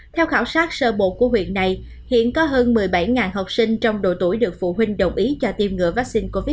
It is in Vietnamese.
theo khảo sát sơ bộ của huyện này hiện có hơn một mươi bảy học sinh trong độ tuổi được phụ huynh đồng ý cho tiêm ngừa vaccine